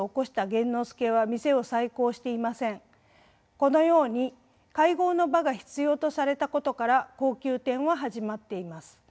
このように会合の場が必要とされたことから高級店は始まっています。